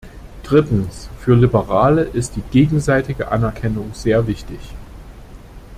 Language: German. Drittens, für Liberale ist die gegenseitige Anerkennung sehr wichtig.